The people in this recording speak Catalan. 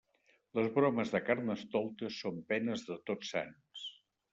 Les bromes de Carnestoltes són penes de Tots Sants.